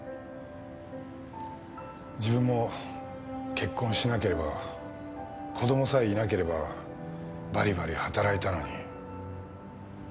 自分も結婚しなければ子供さえいなければバリバリ働いたのに。